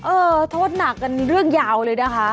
โทษหนักกันเรื่องยาวเลยนะคะ